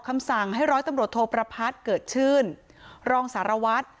คำสั่งให้ร้อยตำรวจโทประพัฒน์เกิดชื่นรองสารวัตร